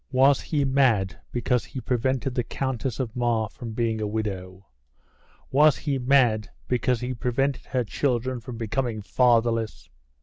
Was he made because he prevented the Countess of Mar from being a widow? Was he made because he prevented her children from being fatherless?"